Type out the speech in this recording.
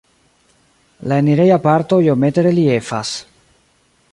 La enireja parto iomete reliefas.